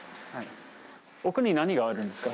奥に何があるんですか？